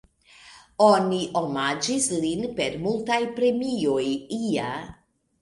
Oni omaĝis lin per multaj premioj, ia.